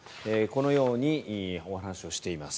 このようにお話をしています。